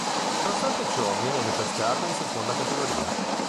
Nonostante ciò viene ripescato in Seconda Categoria.